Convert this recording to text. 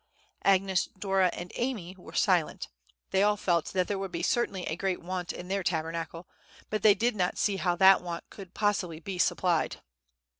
Agnes, Dora, and Amy were silent; they all felt that there would certainly be a great want in their Tabernacle, but they did not see how that want could possibly be supplied.